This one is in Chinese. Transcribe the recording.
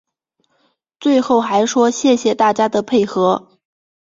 最后还说谢谢大家的配合